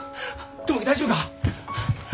友樹大丈夫か？